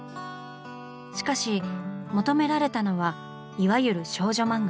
しかし求められたのはいわゆる「少女漫画」。